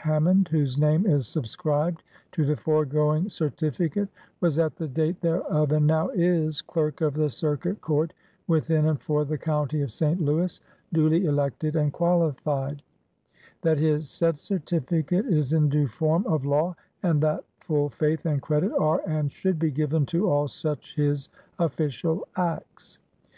Hammond, whose name is subscribed to the foregoing certificate, was at the date thereof, and now is, Clerk of the Circuit Court within and for the County of St. Louis, duly elected and qualified ; that his said certificate is in due form of law, and that full faith and credit are and should be given to all such his official acts.